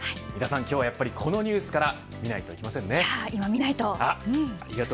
今日はやっぱりこのニュースから見ないといけませんね。